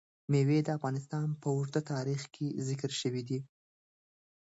مېوې د افغانستان په اوږده تاریخ کې ذکر شوی دی.